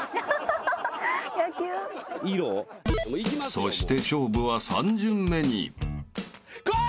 ［そして勝負は３巡目に］こい！